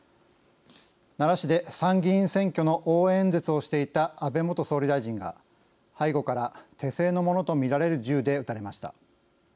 奈良市で参議院選挙の応援演説をしていた安倍元総理大臣が、背後から手製のものと見られる銃で撃たれました。